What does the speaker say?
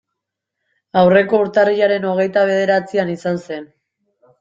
Aurreko urtarrilaren hogeita bederatzian izan zen.